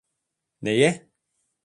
Neye?